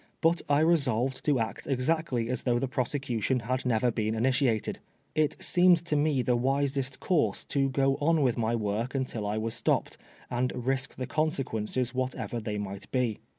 But I resolved to act exactly as though, the prosecution had never been initiated, It seemed to me the wisest course to go on with my work until I was stopped, and risk the consequences whatever they might be.